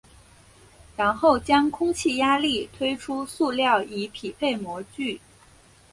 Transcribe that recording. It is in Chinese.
然后将空气压力推出塑料以匹配模具。